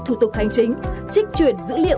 thủ tục hành chính trích chuyển dữ liệu